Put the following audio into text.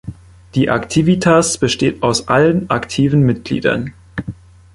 Die Aktivitas besteht aus allen aktiven Mitgliedern.